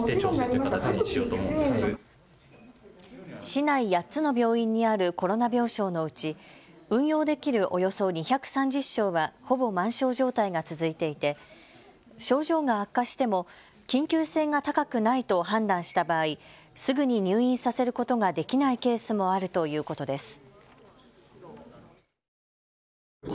市内８つの病院にあるコロナ病床のうち運用できる、およそ２３０床はほぼ満床状態が続いていて症状が悪化しても緊急性が高くないと判断した場合、すぐに入院させることができないケースもあるということです。